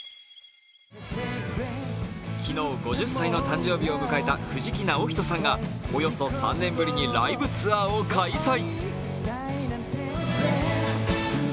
昨日５０歳の誕生日を迎えた藤木直人さんがおよそ３年ぶりにライブツアーを開催。